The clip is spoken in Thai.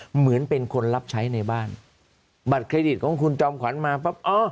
เหมือนเป็นคนรับใช้ในบ้านบัตรเครดิตของคุณจอมขวัญมาปั๊บอ๋อ